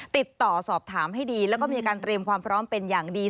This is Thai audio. ติดต่อสอบถามให้ดีแล้วก็มีการเตรียมความพร้อมเป็นอย่างดี